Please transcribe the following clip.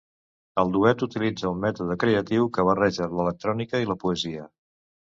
El duet utilitza un mètode creatiu que barreja l’electrònica i la poesia.